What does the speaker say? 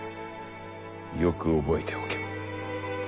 よく覚えておけ。